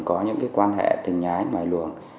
có những cái quan hệ tình ái ngoài luồng